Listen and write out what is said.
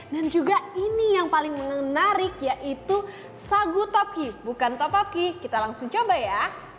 dan juga ini yang paling menarik yaitu sagu topoki bukan topoki kita langsung coba ya